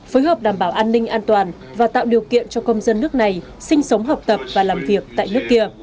phối hợp đảm bảo an ninh an toàn và tạo điều kiện cho công dân nước này sinh sống học tập và làm việc tại nước kia